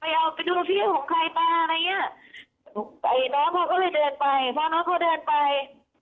ไปเอาไปดูที่ของใครปลาอะไรอย่างนี้น้องก็เลยเดินไปพ่อน้องก็เดินไป